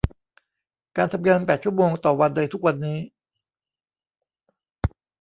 การทำงานแปดชั่วโมงต่อวันในทุกวันนี้